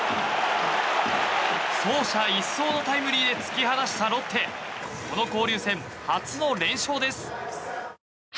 走者一掃のタイムリーで突き放したロッテこの交流戦初の連勝です。